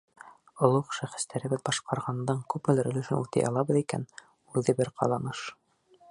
Олуғ шәхестәребеҙ башҡарғандың күпмелер өлөшөн үтәй алабыҙ икән — үҙе бер ҡаҙаныш!